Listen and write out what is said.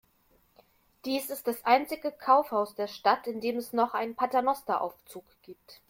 Dies ist das einzige Kaufhaus der Stadt, in dem es noch einen Paternosteraufzug gibt.